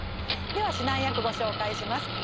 では指南役ご紹介します。